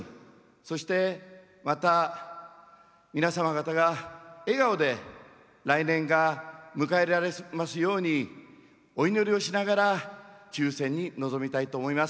そしてまた皆様方が笑顔で来年が迎えられますようにお祈りをしながら抽せんに臨みたいと思います。